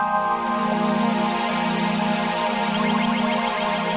seseorang mungkin mengingati ibu